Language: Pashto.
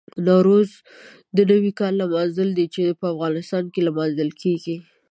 نوروز د نوي کال لمانځل دي چې په افغانستان کې لمانځل کېږي.